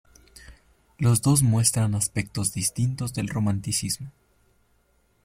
Los dos muestran aspectos distintos del Romanticismo.